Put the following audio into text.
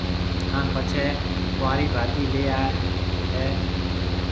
ھان پڇيَ ڪنورِي ڀاتِي ليا ھيََََ